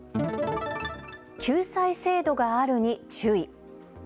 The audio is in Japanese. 救済制度があるに注意。